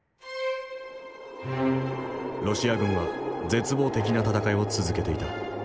ロシア軍は絶望的な戦いを続けていた。